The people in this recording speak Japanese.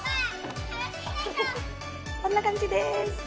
こんな感じです。